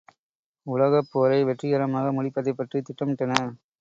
உலகப் போரை வெற்றிகரமாக முடிப்பதைப் பற்றித் திட்டமிட்டனர்.